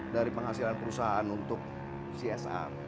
dari penghasilan perusahaan untuk csr